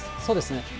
そうですね。